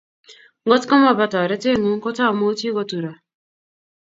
Ngot komoba toretet ngung, katamuchi koturo